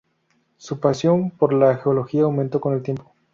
Su pasión por la geología aumentó con el tiempo.